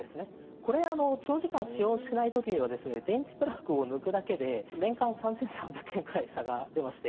これ、長時間使用しない時には電気プラグを抜くだけで年間３３００円くらい差が出まして。